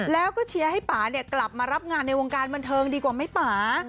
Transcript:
แล้วก็เชียร์ให้ป่าเนี่ยกลับมารับงานในวงการบันเทิงดีกว่าไหมป่า